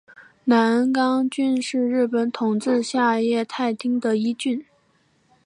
真冈郡是日本统治下桦太厅的一郡。